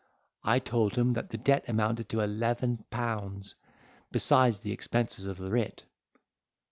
I told him that the debt amounted to eleven pounds, besides the expenses of the writ.